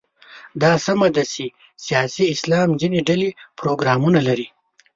دا سمه ده چې سیاسي اسلام ځینې ډلې پروګرامونه لري.